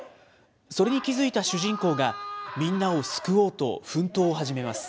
それに気づいた主人公が、みんなを救おうと奮闘を始めます。